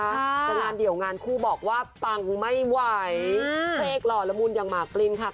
แต่งานเดี่ยวงานคู่บอกว่าปังไม่ไหวเพลงหล่อละมุนอย่างหมากปรินค่ะ